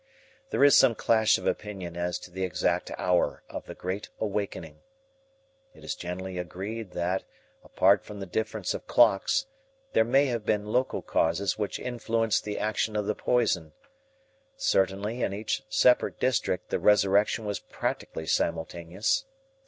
There is some clash of opinion as to the exact hour of the great awakening. It is generally agreed that, apart from the difference of clocks, there may have been local causes which influenced the action of the poison. Certainly, in each separate district the resurrection was practically simultaneous.